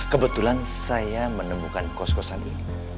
kebetulan saya menemukan kos kosan ini